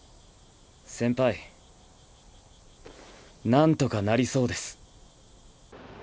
先輩なんとかなりそうです。